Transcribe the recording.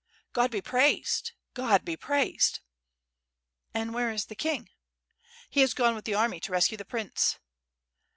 ... "God be praised, God be praised!" "And where is the king?" "He has gone with the army to rescue the prince."